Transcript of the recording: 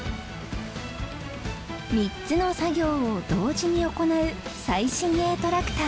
３つの作業を同時に行う最新鋭トラクター。